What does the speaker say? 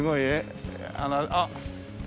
あっ。